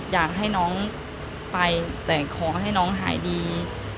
อยากให้น้องไปแต่ขอให้น้องหายดี